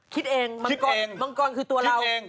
คิดเองมังกรคือตัวเราเอง